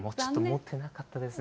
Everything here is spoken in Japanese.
持ってなかったですね。